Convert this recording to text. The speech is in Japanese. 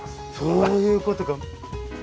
そういうことか。